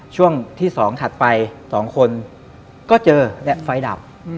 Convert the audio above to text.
ช่วงที่๒ถัดไป๒คนก็เจอและไฟดับ